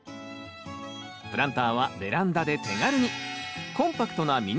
プランターはベランダで手軽に！